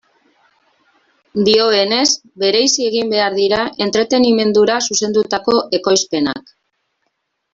Dioenez, bereizi egin behar dira entretenimendura zuzendutako ekoizpenak.